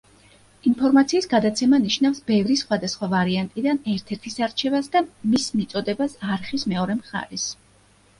ინფორმაციის გადაცემა ნიშნავს ბევრი სხვადასხვა ვარიანტიდან ერთ-ერთის არჩევას და მის მიწოდებას არხის მეორე მხარეს.